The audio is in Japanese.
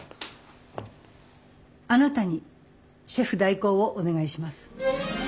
あなたにシェフ代行をお願いします。